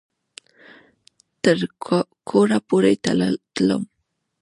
تر کوره پورې تلم